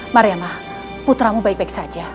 mariema putramu baik baik saja